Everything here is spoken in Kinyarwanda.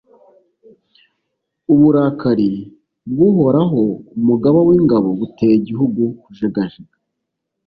Uburakari bw’Uhoraho, Umugaba w’ingabo, buteye igihugu kujegajega,